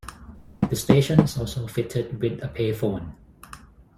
The station is also fitted with a payphone.